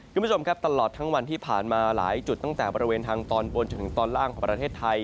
คุณผู้ชมครับตลอดทั้งวันที่ผ่านมาหลายจุดตั้งแต่บริเวณทางตอนบนจนถึงตอนล่างของประเทศไทย